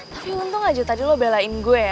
tapi untung aja tadi lo belain gue ya